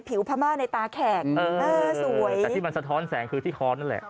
พม่าในตาแขกเออสวยแต่ที่มันสะท้อนแสงคือที่ค้อนนั่นแหละ